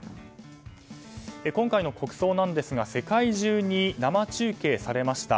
今回の国葬なんですが、世界中に生中継されました。